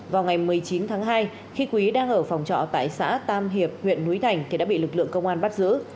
vào ngày một mươi chín tháng hai khi quý đang ở phòng trọ tại xã tam hiệp huyện núi thành thì đã bị lực lượng công an bắt giữ